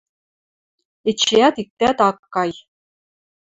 Эчеӓт иктӓт ак кай.